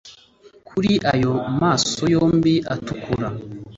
kuri ayo maso yombi atukura